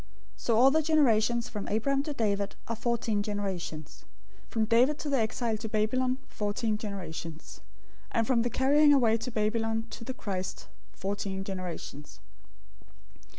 001:017 So all the generations from Abraham to David are fourteen generations; from David to the exile to Babylon fourteen generations; and from the carrying away to Babylon to the Christ, fourteen generations.